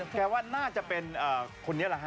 แกว่าน่าจะเป็นคนนี้แหละฮะ